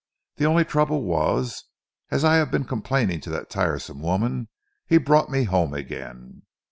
The only trouble was, as I have been complaining to that tiresome woman, he brought me home again."